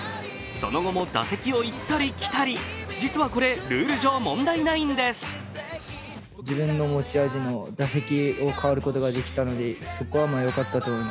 その後も打席を行ったり来たり実はこれ、ルール上、問題ないんです。